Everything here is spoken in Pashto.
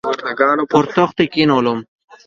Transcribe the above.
پر تخت به یې کښېنوم.